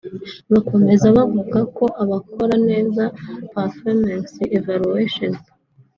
Bakomeza bavuga ko abakora neza (Performance Evaluation